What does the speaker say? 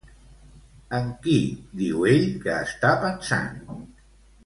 En qui diu ell que està pensant?